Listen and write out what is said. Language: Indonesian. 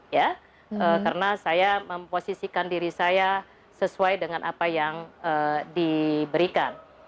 ya karena saya memposisikan diri saya sesuai dengan apa yang diberikan